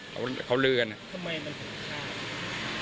ก็ว่าเขาลื้อกันน่ะ